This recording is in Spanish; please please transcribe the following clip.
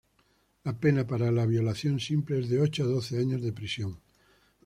La pena para la violación simple es de ocho a doce años de prisión.